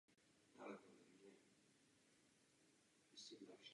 Dříve tudy projížděl i pár rychlíků spojující Prahu a Jeseník.